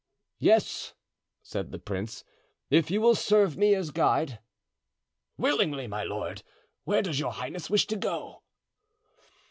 "Yes," said the prince, "if you will serve me as guide." "Willingly, my lord. Where does your highness wish to go?"